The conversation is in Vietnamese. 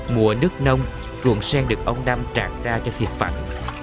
mùa nước nông ruộng sen được ông năm trạt ra cho thiệt phẳng